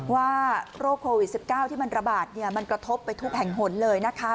ว่าโรคโควิดสิบเก้าที่มันระบาดเนี่ยมันกระทบไปทุกแผ่งหนเลยนะคะ